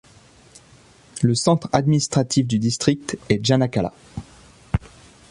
Le centre administratif du district est Janakala.